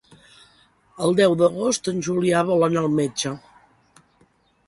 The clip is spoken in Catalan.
El deu d'agost en Julià vol anar al metge.